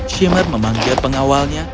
simar memanggil pengawalnya